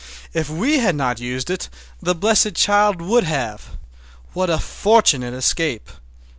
If we had not used it that blessed child would have! What a fortunate escape!